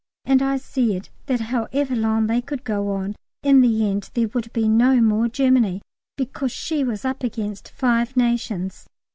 And I said that however long they could go on, in the end there would be no more Germany because she was up against five nations.